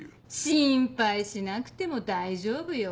心配しなくても大丈夫よ。